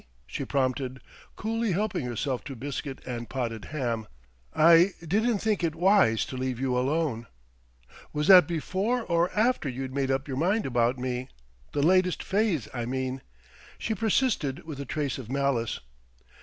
she prompted, coolly helping herself to biscuit and potted ham. "I didn't think it wise to leave you alone." "Was that before or after you'd made up your mind about me the latest phase, I mean?" she persisted with a trace of malice.